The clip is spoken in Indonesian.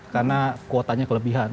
karena kuotanya kelebihan